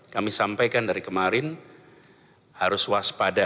kami sampaikan dari kemarin harus waspada